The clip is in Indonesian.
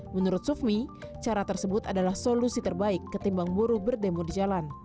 menurut sufmi cara tersebut adalah solusi terbaik ketimbang buruh berdemo di jalan